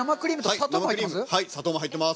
砂糖も入っています。